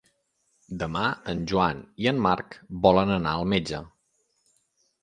Demà en Joan i en Marc volen anar al metge.